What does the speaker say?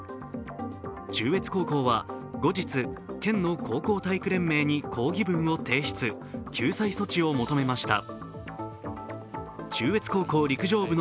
中越高校は後日、県の高校体育連盟に抗議文を提出、救済措置を求めました。